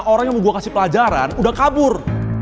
pasalnya mau kasih pelajaran udah kabur